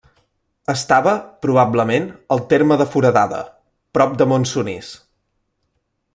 Estava, probablement, al terme de Foradada, prop de Montsonís.